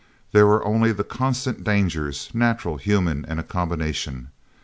There were only the constant dangers, natural, human, and a combination.